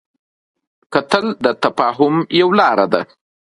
کتل د تفاهم یوه لاره ده